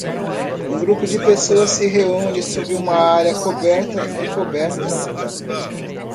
Um grupo de pessoas se reúne sob uma área coberta e coberta.